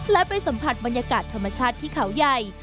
และไปสัมผัสบรรยากาศธรรมชาติที่เขาใหญ่